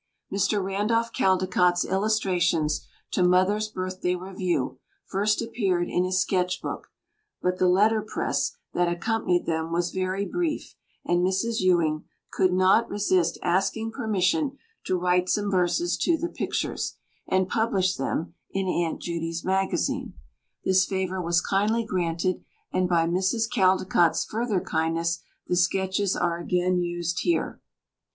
Mr. Randolph Caldecott's illustrations to "Mother's Birthday Review" first appeared in his Sketch Book, but the letterpress that accompanied them was very brief, and Mrs. Ewing could not resist asking permission to write some verses to the pictures, and publish them in Aunt Judy's Magazine. This favour was kindly granted, and by Mrs. Caldecott's further kindness the sketches are again used here.